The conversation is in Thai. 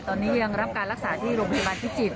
ตอนนี้ยังรับการรักษาที่โรงพยาบาลพิจิตร